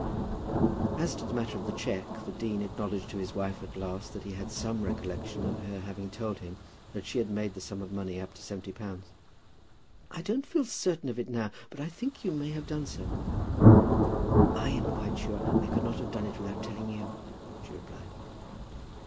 As to the matter of the cheque, the dean acknowledged to his wife at last that he had some recollection of her having told him that she had made the sum of money up to seventy pounds. "I don't feel certain of it now; but I think you may have done so." "I am quite sure I could not have done it without telling you," she replied.